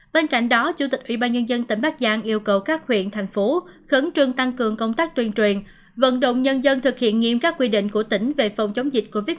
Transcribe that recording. bên cạnh đó chủ tịch ubnd tỉnh bắc giang yêu cầu các huyện thành phố khẩn trương tăng cường công tác tuyên truyền vận động nhân dân thực hiện nghiêm các quy định của tỉnh về phòng chống dịch covid một mươi chín